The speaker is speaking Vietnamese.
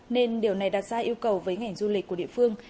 nên điều này đặt ra yêu cầu với ngành du lịch của địa phương